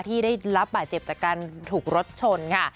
ที่ได้รับบาดเจ็บจากการถูกรถชนค่ะ